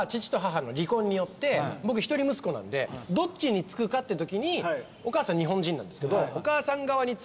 僕一人息子なんでどっちにつくかってときにお母さん日本人なんですけど。